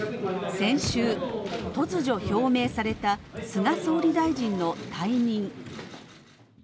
先週、突如表明された菅総理大臣の退任。